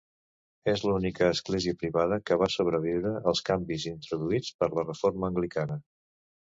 És l'única església privada que va sobreviure als canvis introduïts per la reforma anglicana.